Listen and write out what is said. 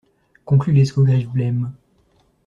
Conclut l'escogriffe blême.